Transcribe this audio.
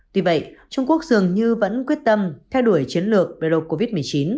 tuy vậy trung quốc dường như vẫn quyết tâm theo đuổi chiến lược đối đối với covid một mươi chín